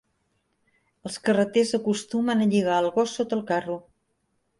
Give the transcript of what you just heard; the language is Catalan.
Els carreters acostumen a lligar el gos sota el carro.